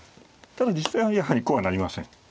ただ実戦はやはりこうはなりません。